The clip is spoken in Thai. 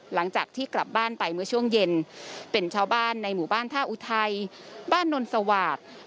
หลังจากที่กลับบ้านไปเมื่อช่วงเย็นเป็นชาวบ้านในหมู่บ้านท่าอุทัยบ้านนนสวาสตร์